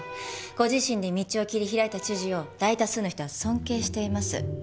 ご自身で道を切り開いた知事を大多数の人は尊敬しています。